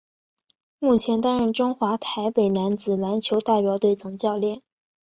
目前担任中华台北男子篮球代表队总教练。